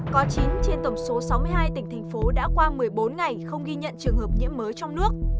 có chín trên tổng số sáu mươi hai tỉnh thành phố đã qua một mươi bốn ngày không ghi nhận trường hợp nhiễm mới trong nước